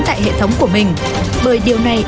tại hệ thống của mình bởi điều này